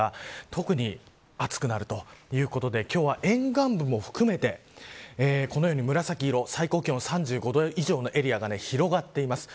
特に暑くなるということで今日は沿岸部も含めてこのように紫色最高気温３５度以上のエリアが広がっています。